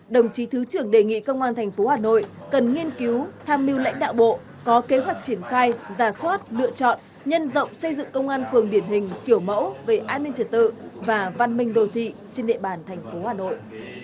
đồng chí thứ trưởng đề nghị công an thành phố hà nội cần nghiên cứu tham mưu lãnh đạo bộ có kế hoạch triển khai giả soát lựa chọn nhân rộng xây dựng công an phường điển hình kiểu mẫu về an ninh trật tự và văn minh đồ thị trên địa bàn thành phố hà nội